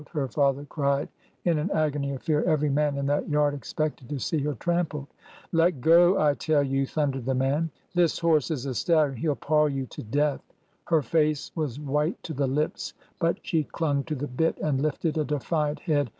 her father cried in an agony of fear. Every man in that yard expected to see her trampled. Let go, I tell you !" thundered the man. '' This horse is a stallion ! He 'll paw you to death !" Her face was white to the lips, but she clung to the bit and lifted a defiant head.